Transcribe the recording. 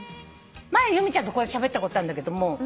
前由美ちゃんとしゃべったことあるんだけども。